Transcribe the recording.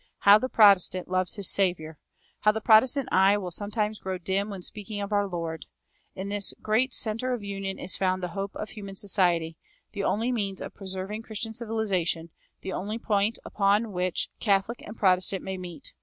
How the Protestant loves his Saviour! How the Protestant eye will sometimes grow dim when speaking of our Lord! In this great center of union is found the hope of human society, the only means of preserving Christian civilization, the only point upon which Catholic and Protestant may meet.